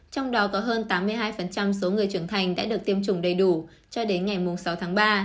trong đó có hơn tám mươi hai số người trưởng thành